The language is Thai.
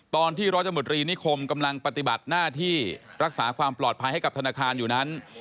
ตอนที่ร้อยตำรวจรีนิคมกำลังปฏิบัติหน้าที่รักษาความปลอดภัยให้กับธนาคารอยู่นั้น